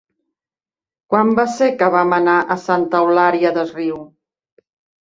Quan va ser que vam anar a Santa Eulària des Riu?